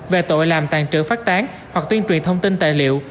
về tội làm tàn trữ phát tán hoặc tuyên truyền thông tin tài liệu